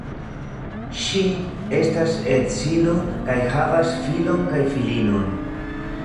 Ŝi estas edzino kaj havas filon kaj filinon.